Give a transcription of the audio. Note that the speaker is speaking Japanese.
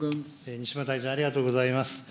西村大臣、ありがとうございます。